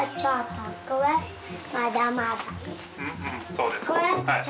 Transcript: そうです。